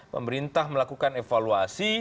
pemerintah melakukan evaluasi